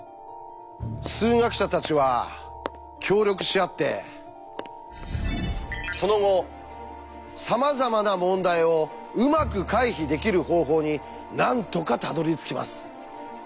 数学者たちは協力し合ってその後さまざまな問題をうまく回避できる方法になんとかたどりつきます。